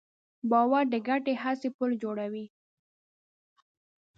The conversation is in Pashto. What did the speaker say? باور د ګډې هڅې پُل جوړوي.